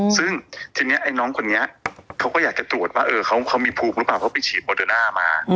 ซึ่งทีนี้ไอ้น้องคนนี้เขาก็อยากจะตรวจว่าเขามีภูมิหรือเปล่าเขาไปฉีดโมเดอร์น่ามา